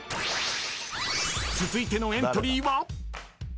［続いてのエントリーは？］